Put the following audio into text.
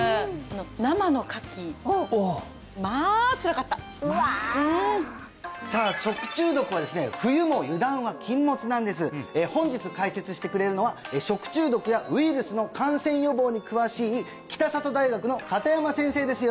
生のカキおおまあつらかったうわさあ食中毒はですね冬も油断は禁物なんです本日解説してくれるのは食中毒やウイルスの感染予防に詳しい北里大学の片山先生です